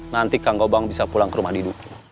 nanti kang gobang bisa pulang ke rumah didu